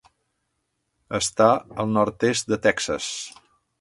Està al nord-est de Texas.